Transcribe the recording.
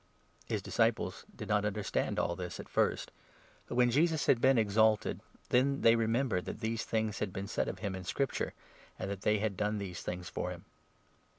His disciples did not understand all this at first ; but, when 16 Jesus had been exalted, then they remembered that these things had been said of him in Scripture, and that they had done these things for him.